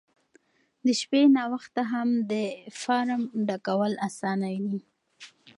د شپې ناوخته هم د فارم ډکول اسانه دي.